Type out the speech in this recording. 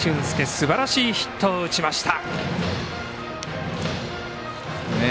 すばらしいヒットを打ちました。